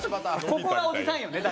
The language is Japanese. ここがおじさんよね。